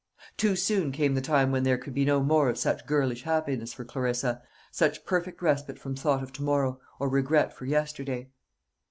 Too soon came the time when there could be no more of such girlish happiness for Clarissa, such perfect respite from thought of to morrow, or regret for yesterday.